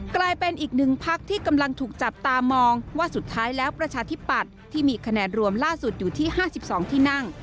กลายเป็นอีกหนึ่งพักที่กำลังถูกจับตามองว่าสุดท้ายแล้วประชาธิปัตย์ที่มีคะแนนรวมล่าสุดอยู่ที่๕๒ที่นั่ง